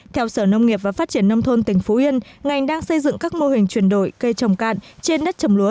theo sở nông nghiệp và phát triển nông thôn tỉnh phú yên ngành đang xây dựng các mô hình chuyển đổi cây trồng cạn trên đất trồng lúa